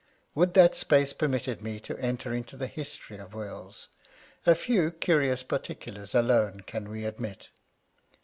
Would that space permitted me to enter into the history of wills : a few curious particulars alone can we admit.